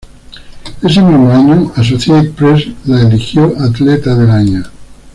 Ese mismo año, Associated Press la eligió Atleta del Año.